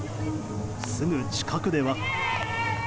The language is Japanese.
すぐ近くでは。